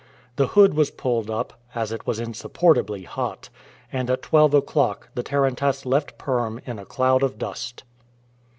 The hood was pulled up, as it was insupportably hot, and at twelve o'clock the tarantass left Perm in a cloud of dust.